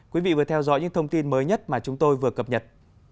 quý vị vừa theo dõi những thông tin mới nhất mà chúng tôi vừa cập nhật